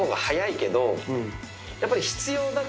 やっぱり。